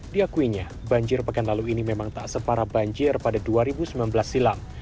diakuinya banjir pekan lalu ini memang tak separah banjir pada dua ribu sembilan belas silam